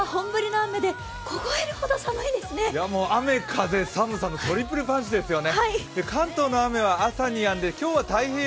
雨・風・寒さのトリプルパンチですよね。